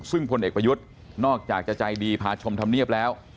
ซึ่งคนเอกพระยุทธนอกจากจะใจดีผาชมทำเนียบแล้ว